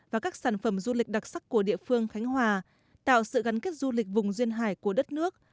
và các sản phẩm du lịch đặc sắc của địa phương khánh hòa tạo sự gắn kết du lịch vùng duyên hải của đất nước